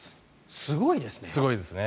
すごいですね。